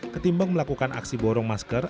ketimbang melakukan aksi borong masker